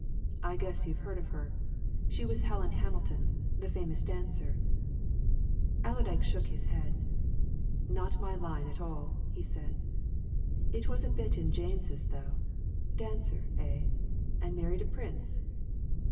I guess you've heard of her she was Helen Hamilton, the famous dancer." Allerdyke shook his head. "Not my line at all," he said. "It was a bit in James's, though. Dancer, eh? And married a Prince?"